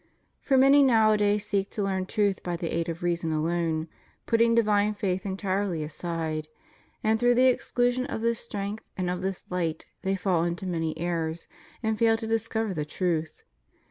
For many nowadays seek to learn truth by the aid of reason alone, putting divine faith entirely aside; and, through the exclusion of this strength and of this light, they fall into many errors and fail to discover the truth.